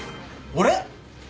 俺？